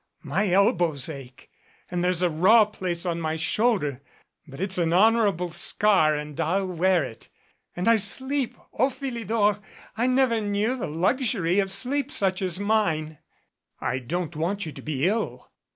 My elbows ache and there's a raw place on my shoulder, but it's an honorable scar and I'll wear it. And I sleep, O Philidor, I never knew the luxury of sleep such as mine." "I don't want you to be ill."